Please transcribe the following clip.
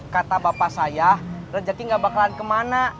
kata bapak saya rejeki enggak bakalan kemana